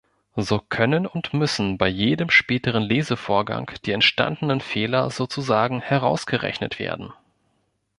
So können und müssen bei jedem späteren Lesevorgang die entstandenen Fehler sozusagen „herausgerechnet“ werden.